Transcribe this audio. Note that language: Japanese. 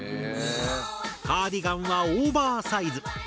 カーディガンはオーバーサイズ。